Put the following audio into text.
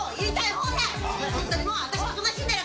本当にもう私は忙しいんだから。